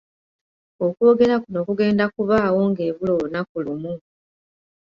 Okwogera kuno kugenda kubaawo ng'ebula olunaku lumu